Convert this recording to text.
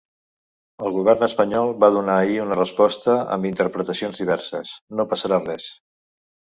El govern espanyol va donar ahir una resposta amb interpretacions diverses: no passarà res.